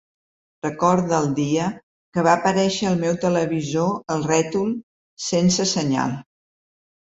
Recorde el dia que va aparèixer al meu televisor el rètol ‘sense senyal’.